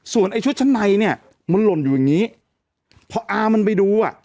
ไอ้ชุดชั้นในเนี่ยมันหล่นอยู่อย่างงี้พออามันไปดูอ่ะ